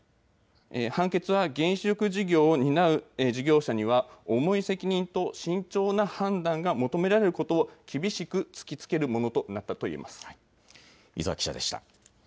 判決は、原子力事業を担う事業者には、重い責任と慎重な判断が求められることを厳しく突きつけるものと伊沢記者でした。